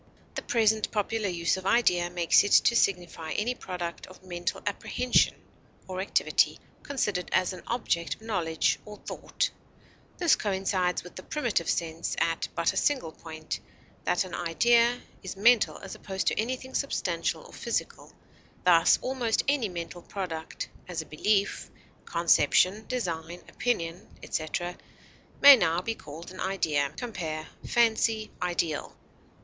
The present popular use of idea makes it to signify any product of mental apprehension or activity, considered as an object of knowledge or thought; this coincides with the primitive sense at but a single point that an idea is mental as opposed to anything substantial or physical; thus, almost any mental product, as a belief, conception, design, opinion, etc., may now be called an idea. Compare FANCY; IDEAL.